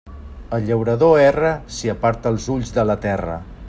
El llaurador erra si aparta els ulls de la terra.